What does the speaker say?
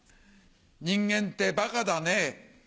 人間ってバカだねぇ。